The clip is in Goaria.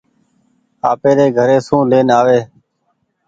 آپيري گهري سون لين آوي ۔